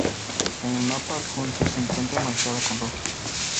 En el mapa adjunto se encuentra marcada con rojo.